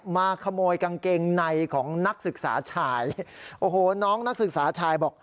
มาขโมยกางเกงในของนักศึกษาชายโอ้โหน้องนักศึกษาชายบอก